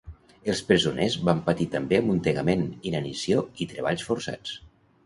Els presoners van patir també amuntegament, inanició i treballs forçats.